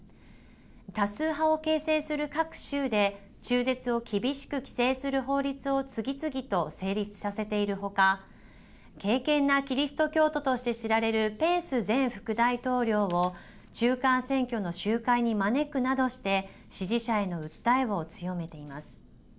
多数派を形成する各州で中絶を厳しく規制する法律を次々と成立させているほか敬けんなキリスト教徒として知られるペンス前副大統領を中間選挙の集会に招くなどして支持者への訴えを強めています。